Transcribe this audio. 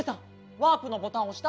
ワープのボタンおした？